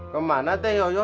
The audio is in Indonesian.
kemana teh yoyo